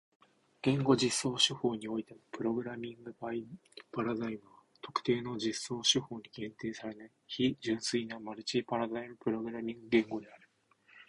言語実装手法においてのプログラミングパラダイムは特定の実装手法に限定されない非純粋なマルチパラダイムプログラミング言語である。